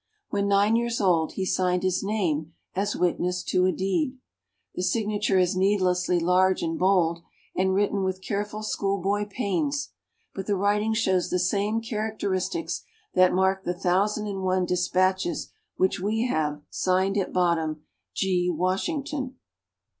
When nine years old, he signed his name as witness to a deed. The signature is needlessly large and bold, and written with careful schoolboy pains, but the writing shows the same characteristics that mark the thousand and one dispatches which we have, signed at bottom, "G. Washington."